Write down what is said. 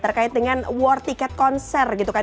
terkait dengan war ticket konser gitu kan